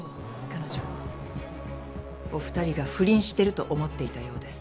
彼女お２人が不倫してると思っていたようです。